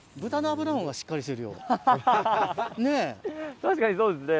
確かにそうですね。